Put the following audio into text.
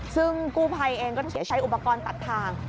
ซึ่งกูไพเองก็ใช้อุปกรณ์ตัดทาง